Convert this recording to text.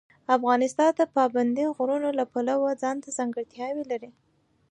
افغانستان د پابندي غرونو له پلوه ځانته ځانګړتیاوې لري.